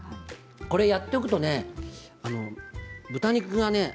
これをやっておくと豚肉がね